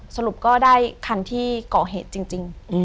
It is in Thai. สรุปก็ได้คันที่ก่อเหตุจริง